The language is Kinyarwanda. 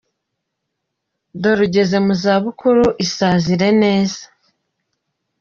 Dore ugeze mu za bukuru isazire neza.